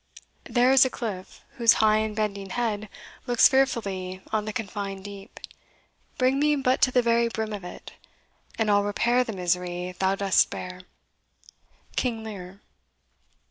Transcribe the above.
There is a cliff, whose high and bending head Looks fearfully on the confined deep; Bring me but to the very brim of it, And I'll repair the misery thou dost bear. King Lear.